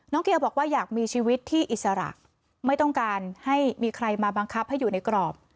เกียวบอกว่าอยากมีชีวิตที่อิสระไม่ต้องการให้มีใครมาบังคับให้อยู่ในกรอบ